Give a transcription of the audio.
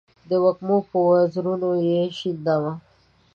د وږمو پر وزرونو یې شیندمه